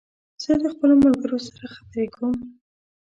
زه د خپلو ملګرو سره خبري کوم